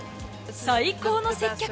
最高の接客！